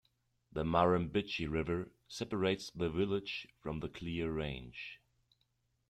The Murrumbidgee River separates the village from the Clear Range.